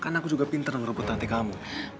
kan aku juga pinter ngerobot nanti kamu